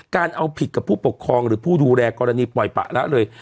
การเอาผิดกับผู้ปกครองหรือผู้ดูแลกรณีปล่อยปะละเลย